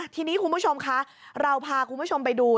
ทีนี้คุณผู้ชมคะเราพาคุณผู้ชมไปดู